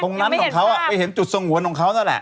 ของเขาไปเห็นจุดสงวนของเขานั่นแหละ